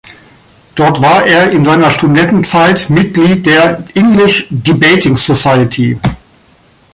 Dort war er in seiner Studentenzeit Mitglied der "English Debating Society".